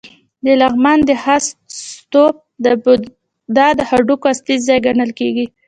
د لغمان د هده ستوپ د بودا د هډوکو اصلي ځای ګڼل کېږي